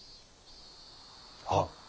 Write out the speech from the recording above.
はっ。